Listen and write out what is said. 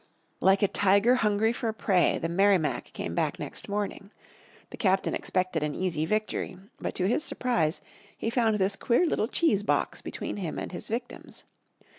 Like a tiger hungry for prey the Merrimac came back next morning. The captain expected an easy victory, but to his surprise he found this queer little cheesebox between him and his victims.